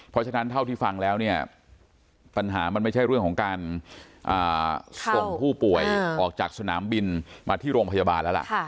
เพราะฉะนั้นเท่าที่ฟังแล้วเนี่ยปัญหามันไม่ใช่เรื่องของการส่งผู้ป่วยออกจากสนามบินมาที่โรงพยาบาลแล้วล่ะ